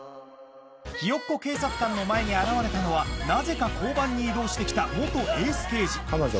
ひよっこ警察官の前に現れたのはなぜか交番に異動して来た元エース刑事彼女